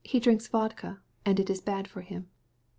"Drinks vodka, and it's bad for him."